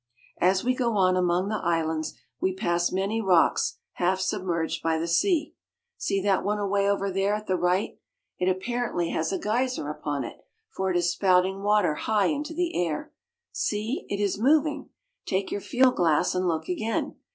As we go on among the islands, we pass many rocks half submerged by the sea. See that one away over there at the right ! It apparently has a geyser upon it, for it is spouting water high into the air. See, it is moving. Take your field glass and look again.